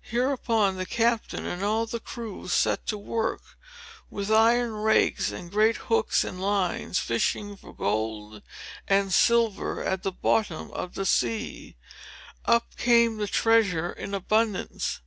Hereupon the Captain and all the crew set to work, with iron rakes and great hooks and lines, fishing for gold and silver at the bottom of the sea. Up came the treasure in abundance.